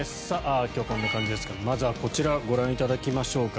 今日はこんな感じですがまずはこちらをご覧いただきましょうか。